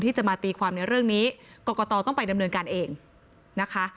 ที่จะมาตีความในเรื่องนี้กรกตต้องไปดำเนินการเองนะคะ